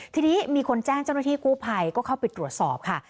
ทีนี้มีคนแจ้งเจ้าหน้าที่กู้ภัยก็เข้าไปตรวจสอบค่ะ